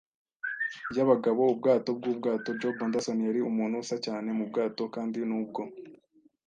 y'abagabo. Ubwato bw'ubwato, Job Anderson, yari umuntu usa cyane mu bwato, kandi nubwo